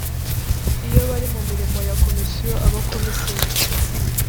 iyo bari mu mirimo ya komisiyo abakomiseri